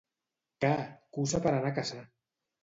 —Ca! / —Cussa per anar a caçar.